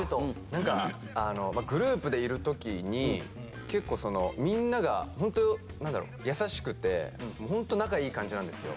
何かグループでいる時に結構そのみんながホント優しくてホント仲いい感じなんですよ。